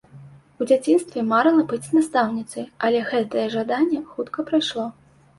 У дзяцінстве марыла быць настаўніцай, але гэтае жаданне хутка прайшло.